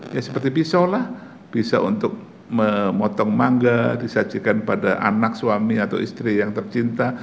ya seperti pisau lah bisa untuk memotong mangga disajikan pada anak suami atau istri yang tercinta